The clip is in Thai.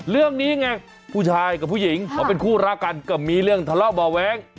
เรื่องนี้ไงผู้ชายกับผู้หญิงเขาเป็นคู่รักกันก็มีเรื่องทะเลาะเบาะแว้ง